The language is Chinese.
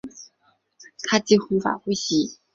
她几乎无法呼吸